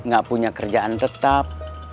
gak punya kerjaan tetap